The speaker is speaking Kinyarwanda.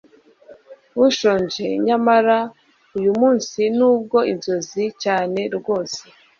Ushonje nyamara uyumunsi nubwo inzozi cyane rwose